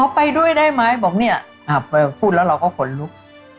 ขอไปด้วยได้ไหมบอกพูดแล้วเราก็ขนลุก